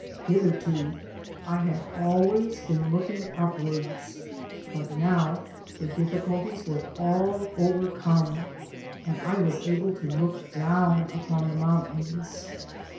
Hither* to I had always been looking upwards, but now the difficulties were all overcome, and I was able to look down upon the mountains.